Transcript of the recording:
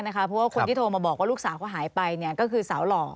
เพราะว่าคนที่โทรมาบอกว่าลูกสาวเขาหายไปก็คือสาวหล่อ